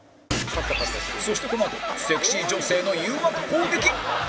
そしてこのあとセクシー女性の誘惑攻撃！